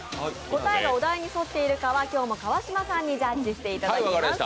答えがお題に沿っているかは今日も川島さんにジャッジしていただきます。